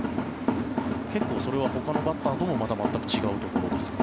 結構、それはほかのバッターとも違うところですか。